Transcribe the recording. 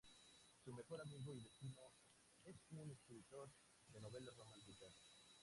Su mejor amigo y vecino es un escritor de novelas románticas.